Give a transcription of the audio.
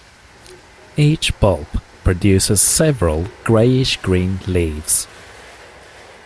Each bulb produces several greyish-green leaves.